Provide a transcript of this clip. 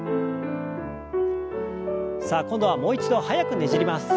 さあ今度はもう一度速くねじります。